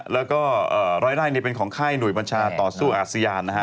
แล้วก็ร้อยไร่นี่เป็นของค่ายหนุ่มปัญชาต่อสู้อาเซียน